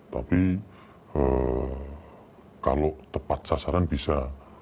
tapi kalau tepat sasaran bisa